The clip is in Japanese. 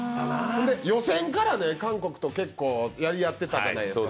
予選から韓国と結構やり合ってたじゃないですか。